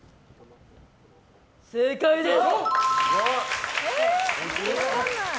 正解です。